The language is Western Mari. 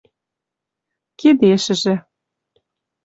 кидешӹжӹ